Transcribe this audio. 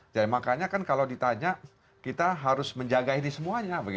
jadi makanya kan kalau ditanya kita harus menjaga ini semuanya